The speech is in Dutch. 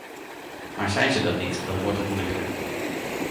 Maar zijn ze dat niet, dan wordt het moeilijker.